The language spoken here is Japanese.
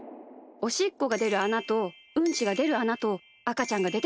おしっこがでるあなとうんちがでるあなとあかちゃんがでてくるあな。